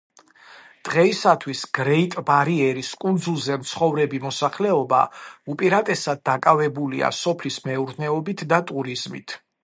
დღეისათვის გრეიტ-ბარიერის კუნძულზე მცხოვრები მოსახლეობა, უპირატესად დაკავებულია სოფლის მეურნეობით და ტურიზმით.